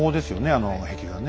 あの壁画ね。